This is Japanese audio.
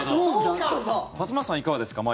勝俣さん、いかがですか？